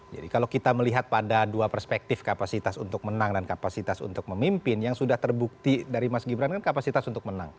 jadi kalau kita melihat pada dua perspektif kapasitas untuk menang dan kapasitas untuk memimpin yang sudah terbukti dari mas gibran kan kapasitas untuk menang